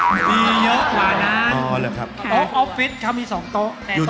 มีมีเยอะกว่านั้น